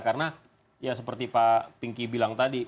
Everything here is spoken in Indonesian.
karena ya seperti pak pinky bilang tadi